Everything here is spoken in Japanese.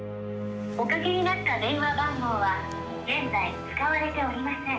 ☎おかけになった電話番号は現在使われておりません。